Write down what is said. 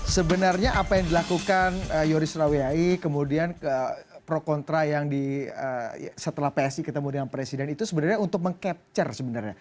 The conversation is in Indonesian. sebenarnya apa yang dilakukan yoris rawiyai kemudian pro kontra yang setelah psi ketemu dengan presiden itu sebenarnya untuk meng capture sebenarnya